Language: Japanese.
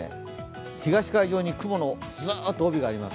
東海上に雲の帯があります。